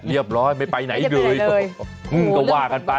เรียบร้อยไม่ไปไหนเลยก็ว่ากันไป